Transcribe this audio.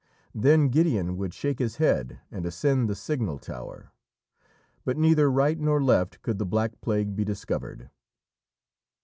Then Gideon would shake his head and ascend the signal tower, but neither right nor left could the Black Plague be discovered.